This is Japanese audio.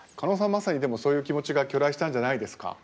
まさにでもそういう気持ちが去来したんじゃないですか？